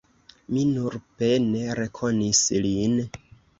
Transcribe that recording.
Mi nur pene rekonis lin.